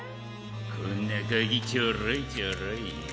こんなカギちょろいちょろい。